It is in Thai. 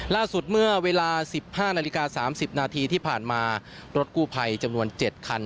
ล่าสุดเมื่อเวลา๑๕นาฬิกา๓๐นาทีที่ผ่านมารถกู้ภัยจำนวน๗คัน